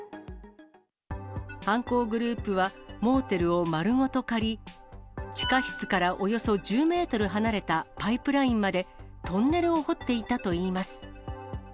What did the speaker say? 犯行グループはモーテルを丸ごと借り、地下室からおよそ１０メートル離れたパイプラインまで、トンネルを掘っていたといいます。